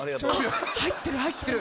入ってる入ってる。